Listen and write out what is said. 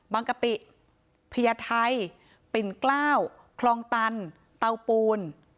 กะปิพญาไทยปิ่นกล้าวคลองตันเตาปูน